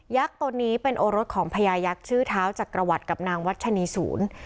ตัวนี้เป็นโอรสของพญายักษ์ชื่อเท้าจักรวรรดิกับนางวัชนีศูนย์